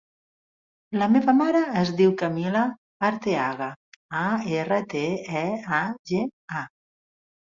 La meva mare es diu Camila Arteaga: a, erra, te, e, a, ge, a.